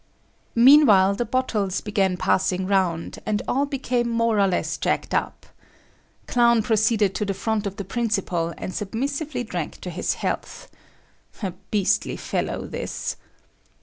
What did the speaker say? Meanwhile the bottles began passing round, and all became more or less "jacked up." Clown proceeded to the front of the principal and submissively drank to his health. A beastly fellow, this!